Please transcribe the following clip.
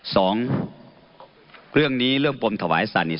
สองเรื่องนี้เรื่องปมถวายสัตว์